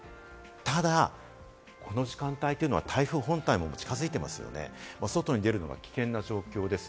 ただ、この時間帯は台風本体も近づいていますよね、外に出るのが危険な状況です。